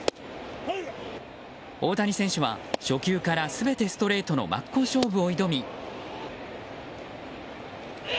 大谷選手は初球から全てストレートの真っ向勝負を挑み。